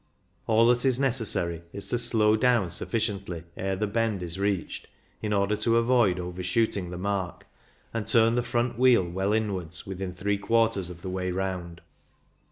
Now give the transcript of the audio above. All that is necessary is to slow down sufficiently ere the bend is reached, in order to avoid over shooting the mark, and turn the front wheel well inwards when three quarters of the way round.